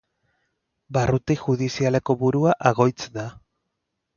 Barruti judizialeko burua Agoitz da.